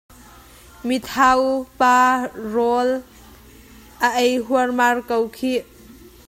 Mithau pa rawl a ei huarmar ko khih.